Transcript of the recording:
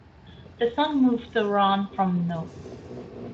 The song moved around from no.